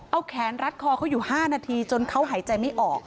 เอาแขนรัดคอเขาอยู่๕นาทีจนเขาหายใจไม่ออก